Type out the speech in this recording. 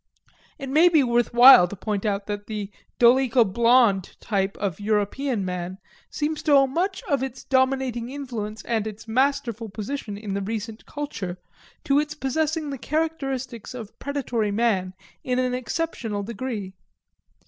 It may be worth while to point out that the dolicho blond type of European man seems to owe much of its dominating influence and its masterful position in the recent culture to its possessing the characteristics of predatory man in an exceptional degree.